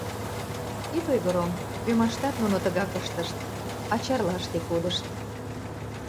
— Ит ойгыро, ӱмаштат нуно тыгак ыштышт, а Чарлаште кодышт.